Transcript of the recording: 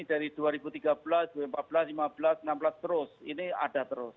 dari dua ribu tiga belas dua ribu empat belas dua ribu lima belas dua ribu enam belas terus ini ada terus